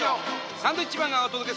サンドウィッチマンがお届けする。